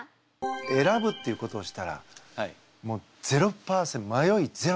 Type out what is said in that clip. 選ぶっていうことをしたらもう０％まよいゼロです。